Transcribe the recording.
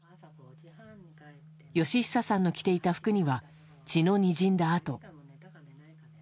嘉久さんの着ていた服には血のにじんだ痕。